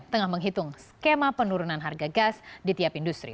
tengah menghitung skema penurunan harga gas di tiap industri